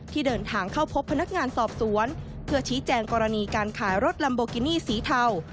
ที่เดินทางเข้าพบพนักงานสอบสวนเพื่อชี้แจงกรณีการขายรถลัมโบกินี่สีเทา